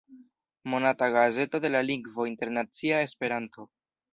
Monata gazeto de la lingvo internacia 'Esperanto"'.